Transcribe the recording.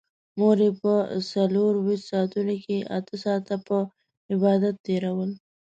مور يې په څلرويشت ساعتونو کې اتلس ساعته په عبادت تېرول.